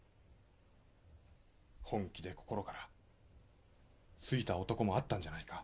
本気で心から好いた男もあったんじゃないか？